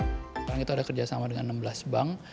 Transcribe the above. sekarang kita ada kerjasama dengan enam belas bank